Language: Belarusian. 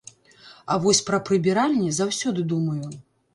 А вось пра прыбіральні заўсёды думаю.